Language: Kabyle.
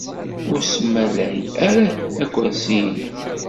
Ur smalay ara akersi-nnem.